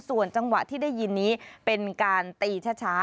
ส่วนจังหวะที่ได้ยินนี้เป็นการตีช้า